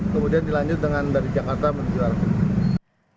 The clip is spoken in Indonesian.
kemudian dilanjut dengan dari jakarta menuju arah puncak